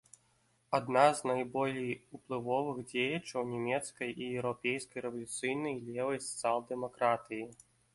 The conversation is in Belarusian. Адна з найболей уплывовых дзеячаў нямецкай і еўрапейскай рэвалюцыйнай левай сацыял-дэмакратыі.